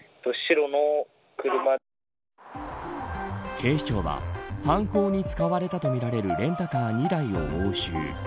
警視庁は犯行に使われたとみられるレンタカー２台を押収。